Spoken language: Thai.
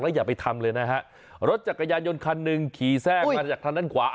อย่าไปทำเลยนะฮะรถจักรยานยนต์คันหนึ่งขี่แทรกมาจากทางด้านขวา